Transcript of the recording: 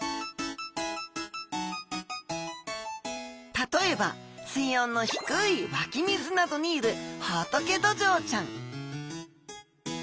例えば水温の低い湧き水などにいるホトケドジョウちゃん